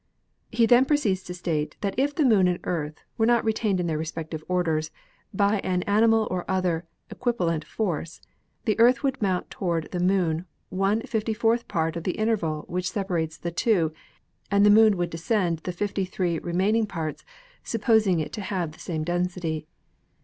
He then proceeds to state that if the Moon and the Earth were not retained in their respective orbits by an animal or other equipollent force, the Earth would mount toward the Moon one fifty fourth part of the interval which separates the two and the Moon would descend the fifty three remaining parts, supposing it to have the same density.